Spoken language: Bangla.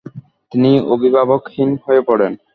তিনি অভিভাবকহীন হয়ে পড়েন।